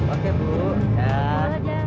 oke bu ya ini udah siap